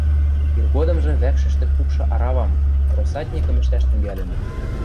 Иргодымжы вӓкшӹштӹ кукшы аравам, россатникӹм ӹштӓш тӹнгӓлӹнӹт.